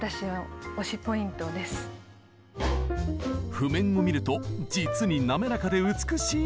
譜面を見ると実になめらかで美しい！